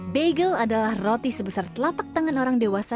bagel adalah roti sebesar telapak tangan orang dewasa